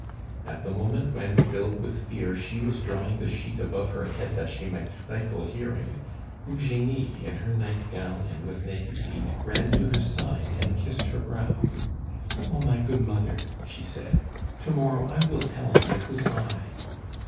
At the moment when, filled with fear, she was drawing the sheet above her head that she might stifle hearing, Eugenie, in her night gown and with naked feet, ran to her side and kissed her brow. "Oh! my good mother," she said, "to morrow I will tell him it was I."